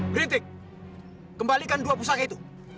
kritik kembalikan dua pusaka itu